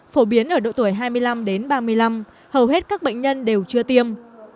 phổ biến ở độ tuổi hai mươi năm đến ba mươi năm hầu hết các bệnh nhân đều chưa tiêm